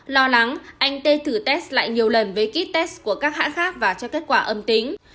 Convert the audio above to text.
lo lắng anh tê thử test lại nhiều lần với ký test của các hãng khác và cho kết quả âm tính